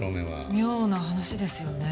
妙な話ですよね。